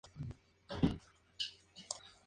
La Chapelle-Montbrandeix